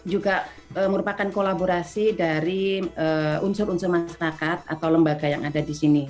juga merupakan kolaborasi dari unsur unsur masyarakat atau lembaga yang ada di sini